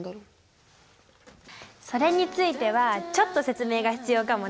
それについてはちょっと説明が必要かもね。